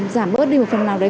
giảm bớt đi một phần nào đấy